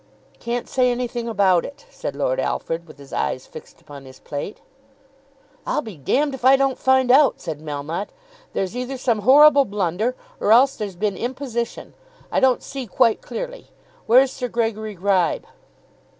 "Can't say anything about it," said Lord Alfred, with his eyes fixed upon his plate. "I'll be d if I don't find out," said Melmotte. "There's either some horrible blunder, or else there's been imposition. I don't see quite clearly. Where's Sir Gregory Gribe?"